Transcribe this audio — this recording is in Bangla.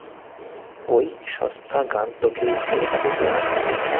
ওই সস্থা গান তোকে এই ছেলে পাঠিয়ে ছিলো না?